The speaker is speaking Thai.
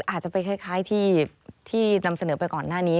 อาจจะไปคล้ายที่นำเสนอไปก่อนหน้านี้